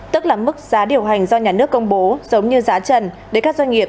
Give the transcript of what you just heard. tức là mức giá điều hành do nhà nước công bố giống như giá trần để các doanh nghiệp